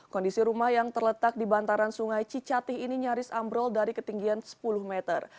kondisi rumah yang terletak di bantaran sungai cicatih ini nyaris ambrol dari ketinggian sepuluh meter